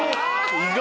意外。